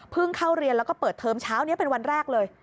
เข้าเรียนแล้วก็เปิดเทอมเช้านี้เป็นวันแรกเลย